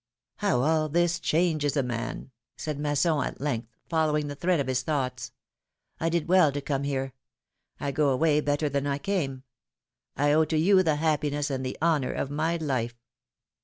How all this changes a man ! said Masson, at length, following the thread of his thoughts. did well to come here. I go away better than I came. I owe to you the happiness and the honor of my life.